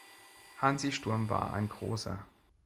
Hansi Sturm war ein Großer.